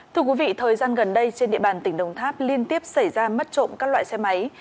thưa quý vị thời gian gần đây trên địa bàn tỉnh đồng tháp liên tiếp xảy ra mất trộm các loại xe máy